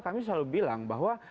kami selalu bilang bahwa